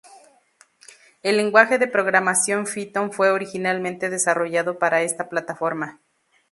El lenguaje de programación Python fue originalmente desarrollado para esta plataforma.